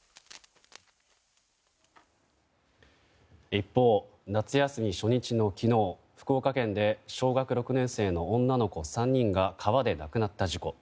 一方、夏休み初日の昨日福岡県で小学６年生の女の子３人が川で亡くなった事故。